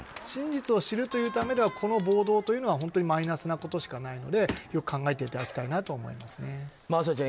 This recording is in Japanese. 真実を知るというためではこの暴動というのはマイナスなことしかないのでよく考えていただきたいなと思います。